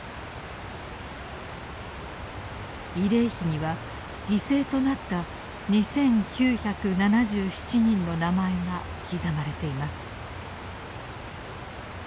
慰霊碑には犠牲となった２，９７７人の名前が刻まれています。